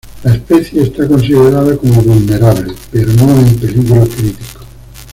La especie está considerada como vulnerable, pero no en peligro crítico.